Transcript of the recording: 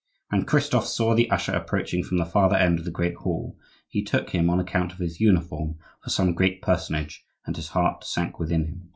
When Christophe saw the usher approaching from the farther end of the great hall, he took him, on account of his uniform, for some great personage, and his heart sank within him.